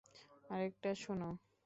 আরেকটা শোনাও।